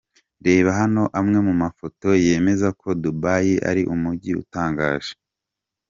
Reba hano amwe mu mafoto yemeza ko Dubai ari umujyi utangaje.